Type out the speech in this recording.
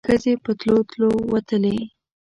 ښځې په تلو تلو وتلې.